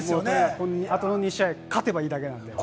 あとの２試合、勝てばいいだけなので。